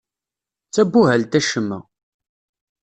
D tabuhalt acemma.